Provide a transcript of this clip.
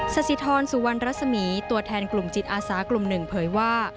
สสิทรสุวรรณรัศมีตัวแทนกลุ่มจิตอาสากลุ่มหนึ่งเผยว่า